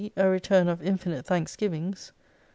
A return of infinite thanksgivings.